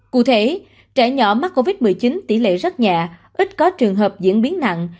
cụ thể trẻ nhỏ mắc covid một mươi chín tỷ lệ rất nhẹ ít có trường hợp diễn biến nặng